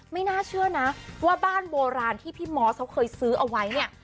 ไม่น่าเชื่อนะว่าบ้านโบราณที่พี่มอสเขาเคยซื้อเอาไว้เนี่ย